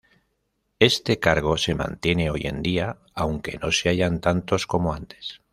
Este cargo se mantiene hoy en día, aunque no se hallan tantos como antes.